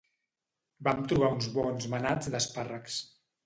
Vam trobar uns bons manats d'espàrrecs